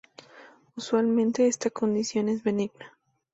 Usualmente, esta condición es benigna.